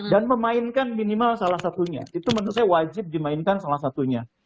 memainkan minimal salah satunya itu menurut saya wajib dimainkan salah satunya